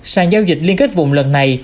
sàn giao dịch liên kết vùng lần này